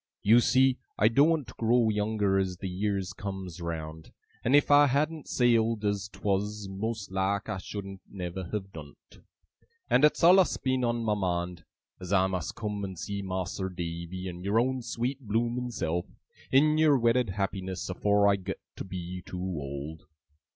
You see, I doen't grow younger as the years comes round, and if I hadn't sailed as 'twas, most like I shouldn't never have done 't. And it's allus been on my mind, as I must come and see Mas'r Davy and your own sweet blooming self, in your wedded happiness, afore I got to be too old.